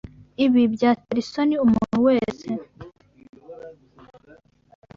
Ibi byatera isoni umuntu wese.